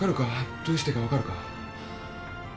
どうしてか分かるか？